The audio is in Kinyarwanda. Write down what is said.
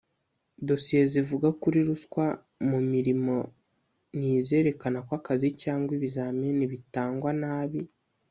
dosiye zivuga kuri ruswa mu mirimo ni izerekana ko akazi cyangwa ibizamini bitangwa nabi